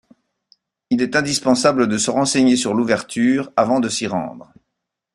Il est indispensable de se renseigner sur l’ouverture avant de s’y rendre.